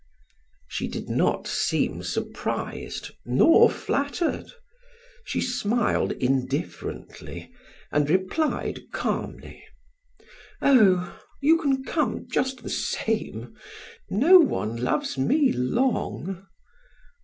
She did not seem surprised, nor flattered; she smiled indifferently and replied calmly: "Oh, you can come just the same; no one loves me long."